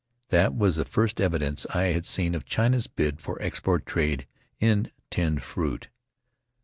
That was the first evidence I had seen of China's bid for export trade in tinned fruit.